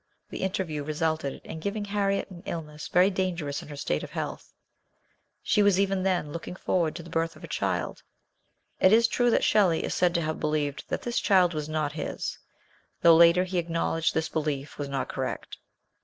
The MARY AND SHELLEY. 67 interview resulted in giving Harriet an illness very dangerous in her state of health ; she was even then looking forward to the birth of a child. It is true that Shelley is said to have believed that this child was not his, though later he acknowledged this belief was not correct.